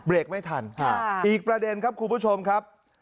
ไม่ทันอีกประเด็นครับคุณผู้ชมครับ